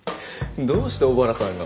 どうして小原さんが。